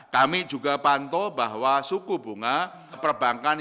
kami juga pantau bahwa suku bunga perbankan